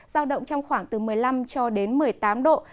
giao động trong khoảng từ một mươi năm cho đến một mươi tám độ